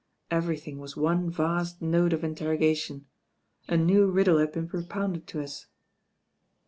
Everything was one vast note of interrogation. A new riddle had been propounded to us."